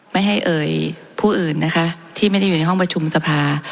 ไม่ให้เอ่ยผู้อื่นนะคะที่ไม่ได้อยู่ในห้องประชุมสภา